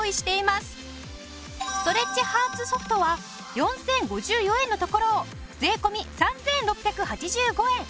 ストレッチハーツソフトは４０５４円のところを税込３６８５円。